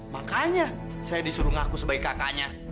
makanya saya disuruh ngaku sebagai kakaknya